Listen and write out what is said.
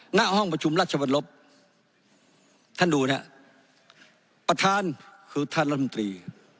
หน้าห้องประชุมราชวรบท่านดูนะประธานคือท่านลำตรี